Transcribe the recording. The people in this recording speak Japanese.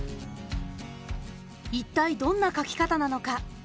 一体どんな描き方なのか。